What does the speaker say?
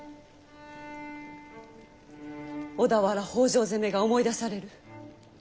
小田原北条攻めが思い出される。